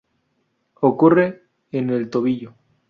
Ocurre en el tobillo.